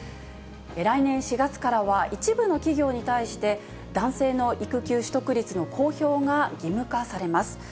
来年４月からは、一部の企業に対して、男性の育休取得率の公表が義務化されます。